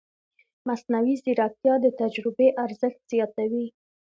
مصنوعي ځیرکتیا د تجربې ارزښت زیاتوي.